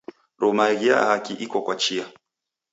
Rumaghia hachi iko kwa chia